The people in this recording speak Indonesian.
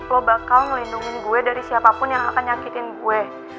lo bakal ngeliatin gue dari siapapun yang akan nyakitin gue